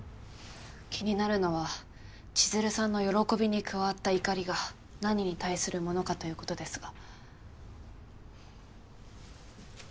気になるのは千弦さんの「喜び」に加わった「怒り」が何に対するものかということですが。